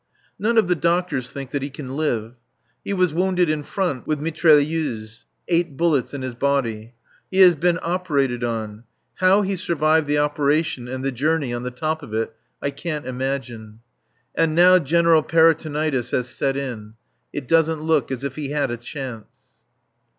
None of the doctors think that he can live. He was wounded in front with mitrailleuse; eight bullets in his body. He has been operated on. How he survived the operation and the journey on the top of it I can't imagine. And now general peritonitis has set in. It doesn't look as if he had a chance.